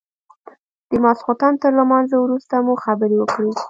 د ماخستن تر لمانځه وروسته مو خبرې وكړې.